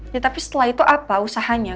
ya tapi setelah itu apa usahanya